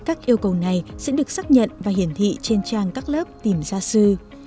các yêu cầu này sẽ được xác nhận và hiển thị trên trang các lớp tìm gia sư